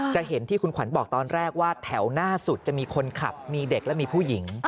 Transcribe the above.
จะเห็นที่คุณขวัญบอกตอนแรกว่าแถวหน้าสุดจะมีคนขับมีเด็กและมีผู้หญิง